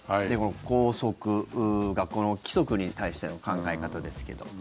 校則、学校の規則に対しての考え方ですけど。